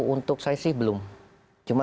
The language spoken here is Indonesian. untuk saya sih belum cuma